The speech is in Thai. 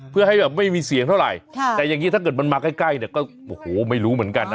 เพื่อให้แบบไม่มีเสียงเท่าไหร่แต่อย่างนี้ถ้าเกิดมันมาใกล้เนี่ยก็โอ้โหไม่รู้เหมือนกันนะ